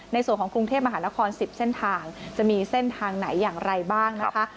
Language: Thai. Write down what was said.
ในส่วนของกรุงเทพมหานคร๑๐เส้นทางจะมีเส้นทางไหนอย่างไรบ้างนะคะ